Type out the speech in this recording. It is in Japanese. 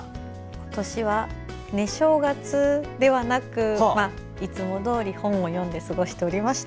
今年は寝正月ではなくいつもどおり本を読んで過ごしておりました。